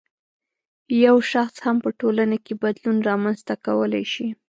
یو شخص هم په ټولنه کې بدلون رامنځته کولای شي